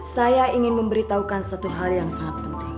saya ingin memberitahukan satu hal yang sangat penting